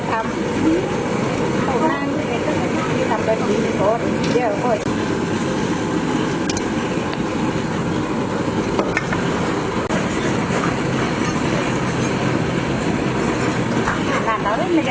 จงกว่าไงนะครับ